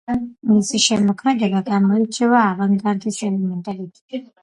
მისი შემოქმედება გამოირჩევა ავანგარდის ელემენტებით.